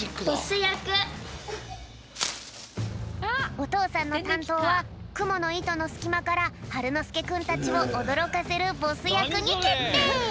おとうさんのたんとうはくものいとのすきまからはるのすけくんたちをおどろかせるボスやくにけってい。